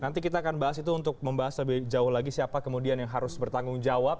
nanti kita akan bahas itu untuk membahas lebih jauh lagi siapa kemudian yang harus bertanggung jawab